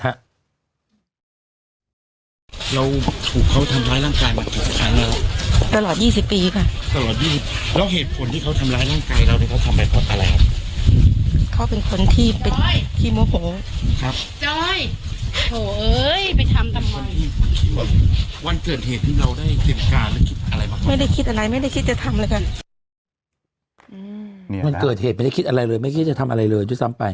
วันเกิดเหตุไม่ได้คิดอะไรเลยไม่คิดจะทำอะไรเลยด้วยซ้ำไป